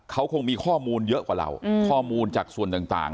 เขาคงมีข้อมูลเยอะกว่าเราข้อมูลจากส่วนต่าง